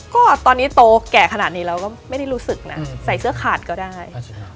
ก็ตอนนี้โตแก่ขนาดนี้เราก็ไม่ได้รู้สึกนะใส่เสื้อขาดก็ได้